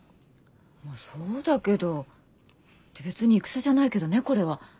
まぁそうだけど別に戦じゃないけどねこれは。